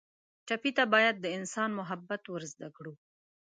ټپي ته باید د انسان محبت ور زده کړو.